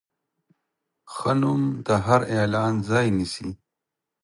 ښه نوم د هر اعلان ځای نیسي.